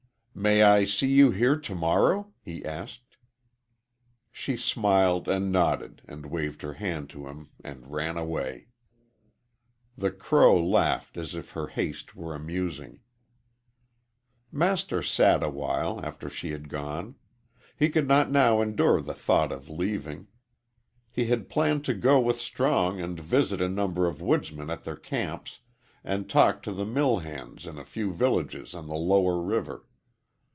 "May I see you here to morrow?" he asked. She smiled and nodded and waved her hand to him and ran away. The crow laughed as if her haste were amusing. Master sat awhile after she had gone. He could not now endure the thought of leaving. He had planned to go with Strong and visit a number of woodsmen at their camps, and talk to the mill hands in a few villages on the lower river.